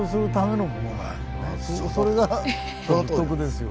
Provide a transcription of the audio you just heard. それが独特ですよね。